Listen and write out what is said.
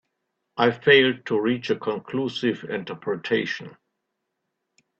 I failed to reach a conclusive interpretation.